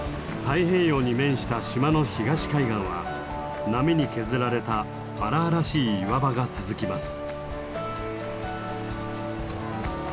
太平洋に面した島の東海岸は波に削られた荒々しい岩場が続きます。